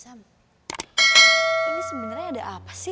ayah tahu apa yang akan kekal pada kecil